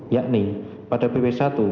yakni pada pp satu